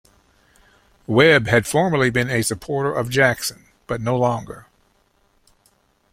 Webb had formerly been a supporter of Jackson, but no longer.